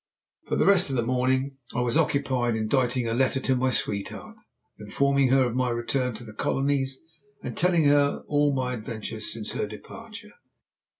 For the rest of the morning I was occupied inditing a letter to my sweetheart, informing her of my return to the Colonies, and telling her all my adventures since her departure.